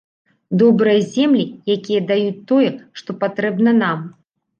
Добрыя землі, якія даюць тое, што патрэбна нам.